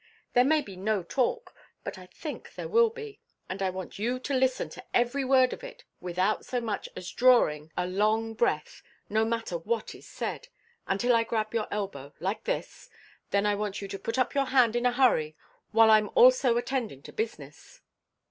There may be no talk, but I think there will be, and I want you to listen to every word of it without so much as drawing a long breath, no matter what is said, until I grab your elbow like this then I want you to put up your hand in a hurry while I'm also attendin' to business.